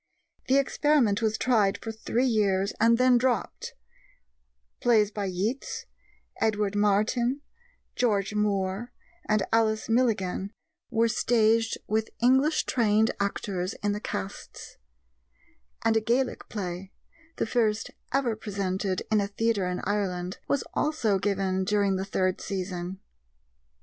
The experiment was tried for three years and then dropped; plays by Yeats, Edward Martyn, George Moore, and Alice Milligan were staged with English trained actors in the casts; and a Gaelic play the first ever presented in a theatre in Ireland was also given during the third season.